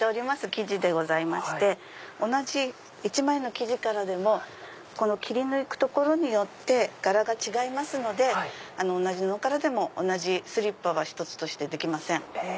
生地でございまして同じ一枚の生地からでも切り抜く所によって柄が違いますので同じものからでも同じスリッパは一つとしてできません。